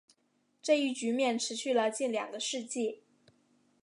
这一局面持续了近两个世纪。